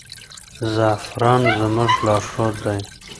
زعفران زموږ لارښود دی.